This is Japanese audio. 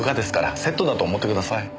セットだと思ってください。